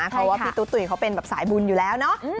เพราะว่าพี่ตุ๊ตุ๋ยเขาเป็นแบบสายบุญอยู่แล้วเนาะ